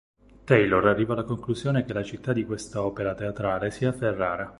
Taylor arriva alla conclusione che la città di questa opera teatrale sia Ferrara.